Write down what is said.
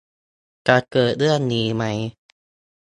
จะเกิดเรื่องนี้ไหม ?